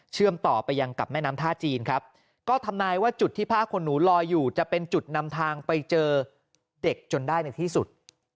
ต่อไปยังกับแม่น้ำท่าจีนครับก็ทำนายว่าจุดที่ผ้าขนหนูลอยอยู่จะเป็นจุดนำทางไปเจอเด็กจนได้ในที่สุด